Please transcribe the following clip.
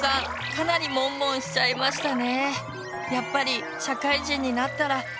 かなりモンモンしちゃいましたね。